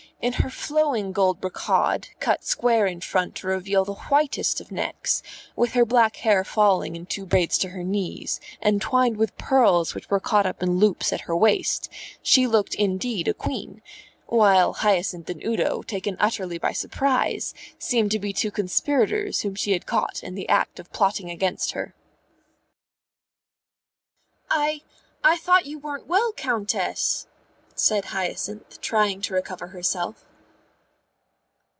In her flowing gold brocade, cut square in front to reveal the whitest of necks, with her black hair falling in two braids to her knees and twined with pearls which were caught up in loops at her waist, she looked indeed a Queen; while Hyacinth and Udo, taken utterly by surprise, seemed to be two conspirators whom she had caught in the act of plotting against her. [Illustration: "Good morning," said Belvane] "I I thought you weren't well, Countess," said Hyacinth, trying to recover herself.